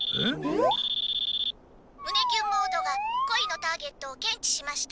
「胸キュンモード」が恋のターゲットを検知しました」。